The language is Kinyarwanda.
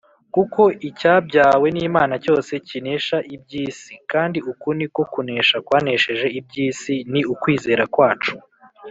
kuko icyabyawe n’Imana cyose kinesha iby’isi, kandi uku ni ko kunesha kwanesheje iby’isi, ni ukwizera kwacu.